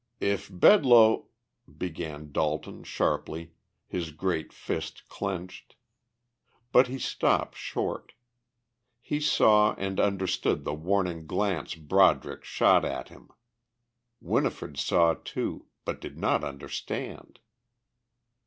"If Bedloe...." began Dalton sharply, his great fist clenched. But he stopped short. He saw and understood the warning glance Broderick shot at him; Winifred saw, too, but did not understand.